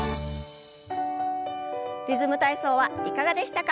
「リズム体操」はいかがでしたか？